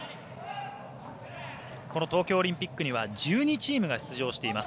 この東京オリンピックには１２チームが出場しています。